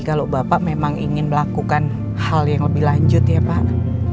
kalau bapak memang ingin melakukan hal yang lebih lanjut ya pak